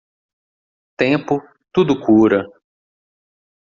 Tempo, tudo cura.